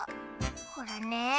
ほらね。